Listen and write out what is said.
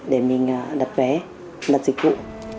để mình đặt vé đặt dịch vụ